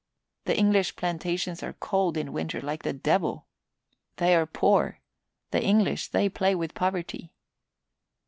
The English plantations are cold in winter like the devil. They are poor. The English, they play with poverty.